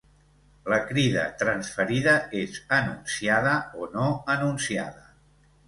La crida transferida és anunciada o no anunciada.